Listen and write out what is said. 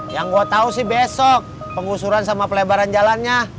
yang gue tau sih besok penggusuran sama pelebaran jalannya